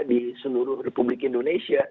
di seluruh republik indonesia